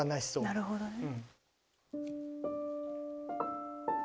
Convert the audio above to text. なるほどね。